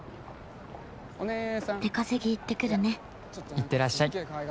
「いってらっしゃい。